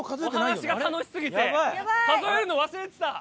お話が楽しすぎて数えるの忘れてた。